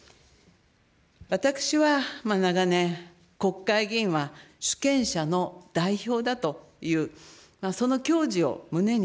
私は長年、国会議員は主権者の代表だという、その矜持を胸に、